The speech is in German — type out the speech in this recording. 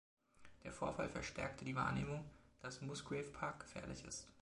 Der Vorfall verstärkte die Wahrnehmung, dass Musgrave Park gefährlich ist.